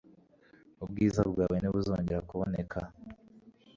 ubwiza bwawe ntibuzongera kuboneka